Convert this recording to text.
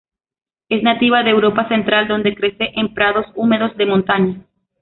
Es nativa de Europa central donde crece en prados húmedos de montaña.